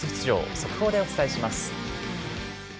速報でお伝えします。